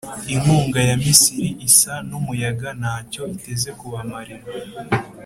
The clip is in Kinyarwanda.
Inkunga ya Misiri isa n’umuyaga nta cyo iteze kubamarira,